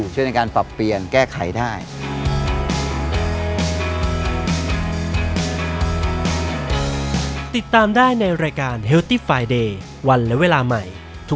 ช่วยในการปรับเปลี่ยนแก้ไขได้